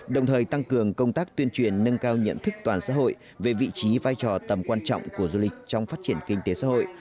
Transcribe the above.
đồng thời tăng cường công tác tuyên truyền nâng cao nhận thức toàn xã hội về vị trí vai trò tầm quan trọng của du lịch trong phát triển kinh tế xã hội